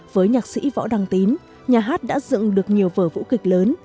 với nhạc sĩ võ đăng tín nhà hát đã dựng được nhiều vở vũ kịch lớn